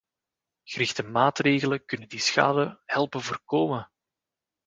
Gerichte maatregelen kunnen die schade helpen voorkomen.